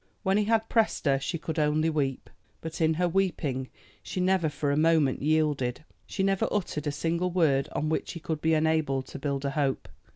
When he had pressed her she could only weep. But in her weeping she never for a moment yielded. She never uttered a single word on which he could be enabled to build a hope.